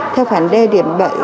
theo khoảng đê điểm bệnh